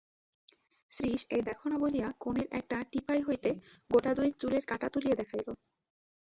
শ্রীশ এই দেখো-না বলিয়া কোণের একটা টিপাই হইতে গোটাদুয়েক চুলের কাঁটা তুলিয়া দেখাইল।